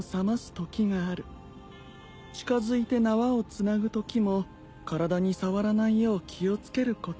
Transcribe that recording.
近づいて縄をつなぐときも体に触らないよう気を付けること。